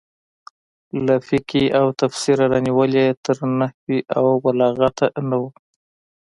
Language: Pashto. له فقهې او تفسیره رانیولې تر نحو او بلاغته نه وو.